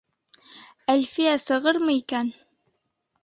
Әлфиә сығырмы икән?